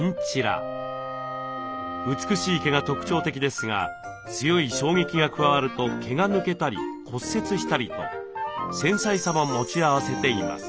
美しい毛が特徴的ですが強い衝撃が加わると毛が抜けたり骨折したりと繊細さも持ち合わせています。